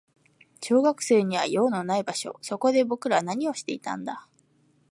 小学生には用のない場所。そこで僕らは何をしていたんだ。